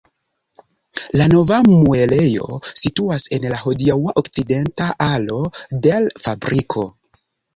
La nova muelejo situas en la hodiaŭa okcidenta alo de l' fabriko.